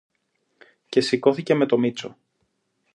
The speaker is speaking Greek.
Και σηκώθηκε με τον Μήτσο.